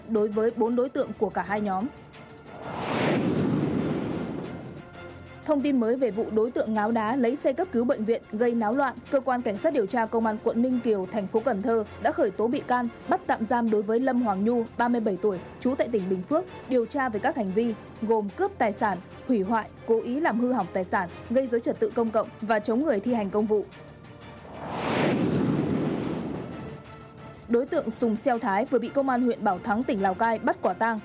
đối tượng xùng xeo thái vừa bị công an huyện bảo thắng tỉnh lào cai bắt quả tang